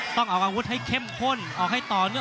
ต้องออกอาวุธให้เข้มข้นออกให้ต่อเนื่อง